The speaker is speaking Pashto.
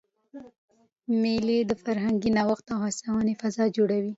مېلې د فرهنګي نوښت او هڅوني فضا جوړوي.